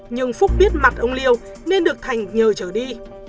nhưng phúc biết mặt ông liêu nên được thành nhờ trở đi